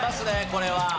これは。